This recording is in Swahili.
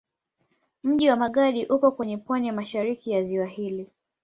Mji wa Magadi upo kwenye pwani ya mashariki ya ziwa hili.